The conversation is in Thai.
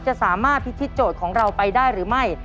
จะสามารถพิธีโจทย์ของเราไปได้หรือไม่